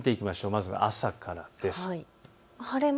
まずは朝からです。